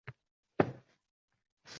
Farog’at.